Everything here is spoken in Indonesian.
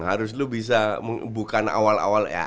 harus lu bisa bukan awal awal ya